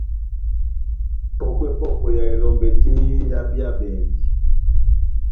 Pɔ́kwɛ-pɔ́kwɛ ya elɔmbɛ tɛ́h yé ehábíyabɛndi.